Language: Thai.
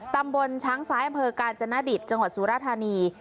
ตำบลช้างซ้ายอำเภอกาญจนดิตจังหวัดสุราธานี